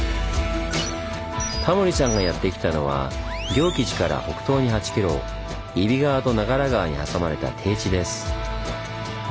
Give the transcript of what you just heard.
タモリさんがやって来たのは行基寺から北東に８ｋｍ揖斐川と長良川に挟まれた低地です。